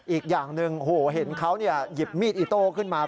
อีกอย่างหนึ่งเห็นเขาหยิบมีดอิโต้ขึ้นมา